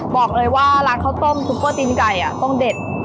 บอกเลยว่าล่างข้าวต้มซูโก้ตีนไก่ต้องเด็ด